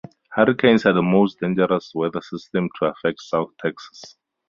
Hurricanes are the most dangerous weather systems to affect South Texas.